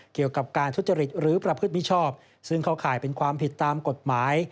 เกี่ยวกับการทุจริตหรือประพฤติมิชอบซึ่งเข้าข่ายเป็นความผิดตามกฎหมาย